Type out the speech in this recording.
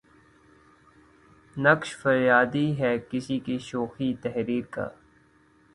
نقش فریادی ہے کس کی شوخیٴ تحریر کا؟